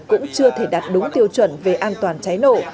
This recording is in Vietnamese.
cũng chưa thể đạt đúng tiêu chuẩn về an toàn cháy nổ